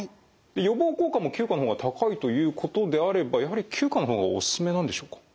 予防効果も９価の方が高いということであればやはり９価の方がお勧めなんでしょうか？